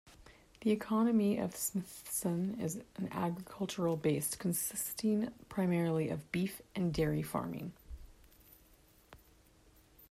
The economy of Smithton is agriculture based, consisting primarily of beef and dairy farming.